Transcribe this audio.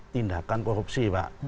tindakan korupsi pak